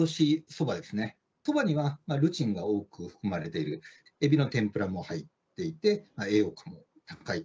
そばにはルチンが多く含まれている、エビの天ぷらも入っていて、栄養価も高い。